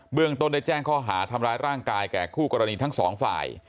เรื่องต้นได้แจ้งข้อหาทำร้ายร่างกายแก่คู่กรณีทั้งสองฝ่าย